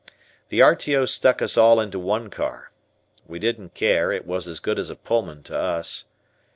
The R.T.O. stuck us all into one car. We didn't care, it was as good as a Pullman to us.